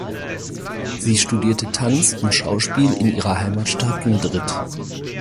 Sie studierte Tanz und Schauspiel in ihrer Heimatstadt Madrid.